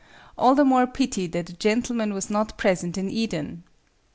All the more pity that a gentleman was not present in Eden!